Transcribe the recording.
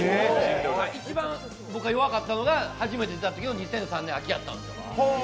一番僕が弱かったのは、初めてだったときの２００３年秋やったんです。